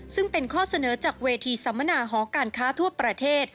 ซึ่งเป็นข้อเสนอจากเวทีสัมมนาหอการค้าทั่วประเทศ